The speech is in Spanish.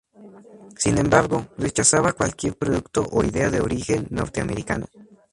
Sin embargo, rechazaba cualquier producto o idea de origen norteamericano.